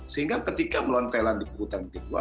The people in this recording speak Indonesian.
sehingga ketika melontelan di putaran kedua